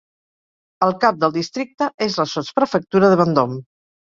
El cap del districte és la sotsprefectura de Vendôme.